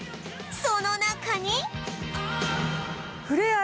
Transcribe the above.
その中に